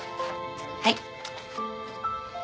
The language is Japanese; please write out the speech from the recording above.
はい。